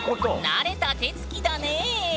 慣れた手つきだね。